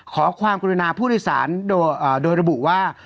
ขอความกรุณาผู้โดยสารโดยระบุว่า